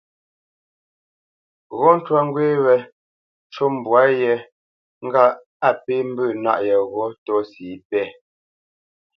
Ghɔ̂ ntwá ŋgwé wé ncu mbwá yé ŋgâʼ á pé mbə̂ nâʼ yeghó tɔ́si yépɛ̂.